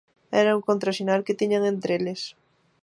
Era un contrasinal que tiñan entre eles.